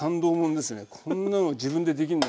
こんなの自分でできるんだ。